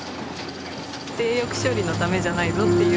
性欲処理のためじゃないぞっていう。